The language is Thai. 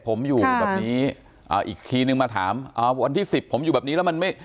ผมอยู่แบบนี้อ่าอีกทีนึงมาถามอ่าวันที่สิบผมอยู่แบบนี้แล้วมันไม่